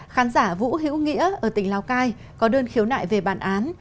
khán giả vũ hữu nghĩa ở tỉnh lào cai có đơn khiếu nại về bản án